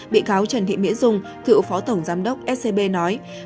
bị cáo trần thị mỹ dung cựu phó tổng giám đốc scb nói